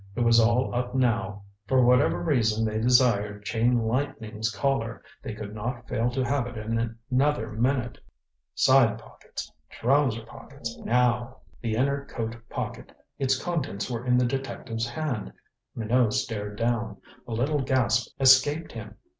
It was all up now for whatever reason they desired Chain Lightning's Collar, they could not fail to have it in another minute. Side pockets trousers pockets now! The inner coat pocket! Its contents were in the detective's hand. Minot stared down. A little gasp escaped him.